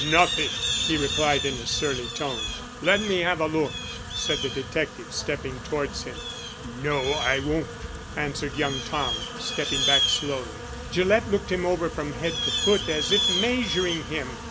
"Nothing," he replied in a surly tone. "Let me have a look," said the detective, stepping towards him. "No, I won't," answered young Tom, stepping back slowly. Gillett looked him over from head to foot as if measuring him.